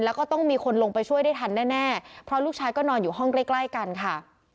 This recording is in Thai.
แล้วก็ต้องมีคนลงไปช่วยได้ทันแน่เพราะลูกชายก็นอนอยู่ห้องใกล้ใกล้กันค่ะ